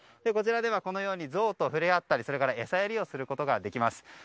こちらではこのようにゾウと触れ合ったり餌やりをすることができます。